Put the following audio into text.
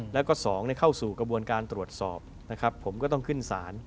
และ๒เข้าสู่กระบวนการตรวจสอบผมก็ต้องขึ้นสาร